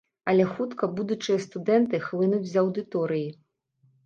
Але хутка будучыя студэнты хлынуць з аўдыторыі.